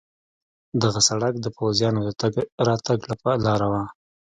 دغه سړک د پوځیانو د تګ راتګ لار وه.